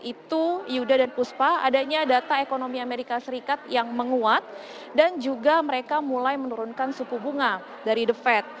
itu yuda dan puspa adanya data ekonomi amerika serikat yang menguat dan juga mereka mulai menurunkan suku bunga dari the fed